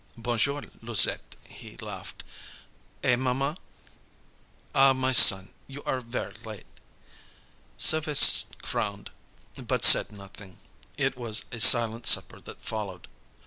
"Bon jour, Louisette," he laughed. "Eh, maman!" "Ah, my son, you are ver' late." Sylves' frowned, but said nothing. It was a silent supper that followed.